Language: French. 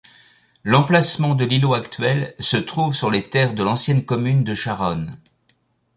L'emplacement de l'îlot actuel se trouve sur les terres de l'ancienne commune de Charonne.